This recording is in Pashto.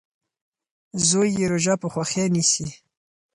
زوی یې روژه په خوښۍ نیسي.